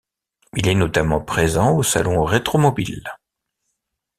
Il est notamment présent au salon Rétromobile.